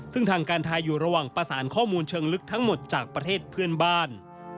ซึ่งทางการไทยอยู่ระหว่างประสานข้อมูลเชิงลึกทั้งหมดจากประเทศเพื่อนบ้าน